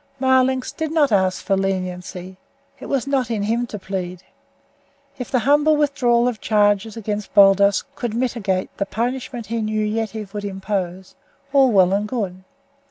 Marlanx did not ask for leniency; it was not in him to plead. If the humble withdrawal of charges against Baldos could mitigate the punishment he knew Yetive would impose, all well and good.